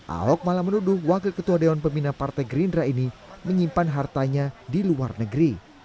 ahok malah menuduh wakil ketua dewan pembina partai gerindra ini menyimpan hartanya di luar negeri